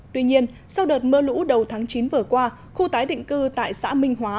tuy nhiên sau đợt mưa lũ đầu tháng chín vừa qua khu tái định cư tại xã minh hóa